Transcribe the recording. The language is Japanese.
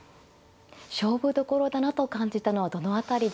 勝負どころだなと感じたのはどの辺りでしょうか。